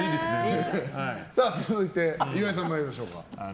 続いて、岩井さん参りましょう。